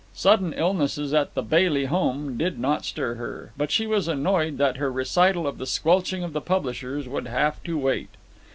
Sudden illnesses at the Bailey home did not stir her, but she was annoyed that her recital of the squelching of the publishers would have to wait.